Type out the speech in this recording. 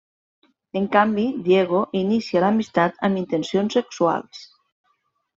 En canvi, Diego inicia l'amistat amb intencions sexuals.